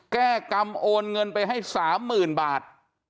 แก้กรรมโอนเงินไปให้๓๐๐๐บาท